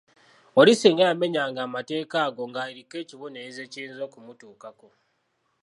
Oli singa yamenyanga amateeka ago ng’aliko ekibonerezo ekiyinza okumutuukako.